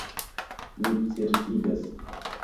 Mi certigas.